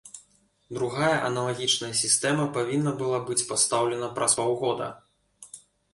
Другая аналагічная сістэма павінна была быць пастаўлена праз паўгода.